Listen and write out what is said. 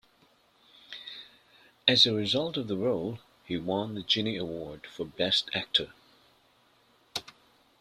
As a result of the role, he won the Genie Award for Best Actor.